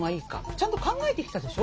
ちゃんと考えてきたでしょ？